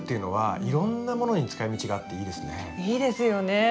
いいですよね。